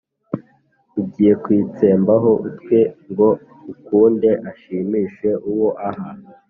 ugiye kwitsembaho utwe ngo akunde ashimishe uwo aha